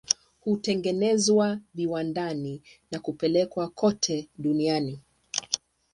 Hutengenezwa viwandani na kupelekwa kote duniani.